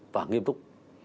và nghiêm túc